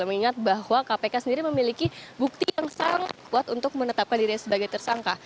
mengingat bahwa kpk sendiri memiliki bukti yang sangat kuat untuk menetapkan dirinya sebagai tersangka